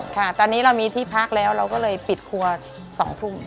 ค่ะตอนนี้เรามีที่พักแล้วเราก็เลยปิดครัว๒ทุ่ม